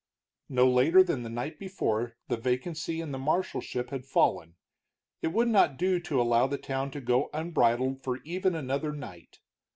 No later than the night before the vacancy in the marshalship had fallen; it would not do to allow the town to go unbridled for even another night.